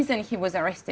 pencetakan yang besar